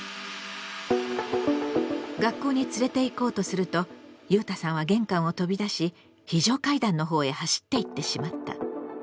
学校に連れていこうとするとゆうたさんは玄関を飛び出し非常階段の方へ走っていってしまった。